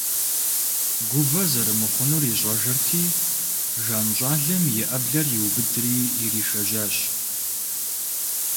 Гувэ зэрымыхъунур ищӀэжырти, Жан щӀалэм и Ӏэблэр иубыдри иришэжьэжащ.